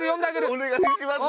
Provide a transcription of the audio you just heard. お願いします。